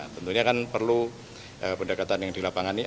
tentunya kan perlu pendekatan yang di lapangan ini